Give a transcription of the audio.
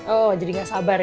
oh jadi gak sabar ya